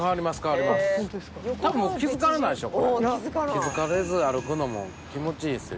気付かれず歩くのも気持ちいいですよ